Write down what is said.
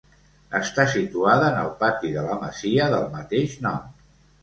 Està situada en el pati de la masia del mateix nom.